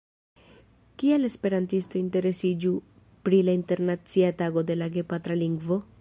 Kial esperantistoj interesiĝu pri la Internacia Tago de la Gepatra Lingvo?